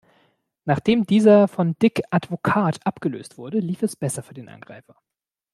Nachdem dieser von Dick Advocaat abgelöst wurde, lief es besser für den Angreifer.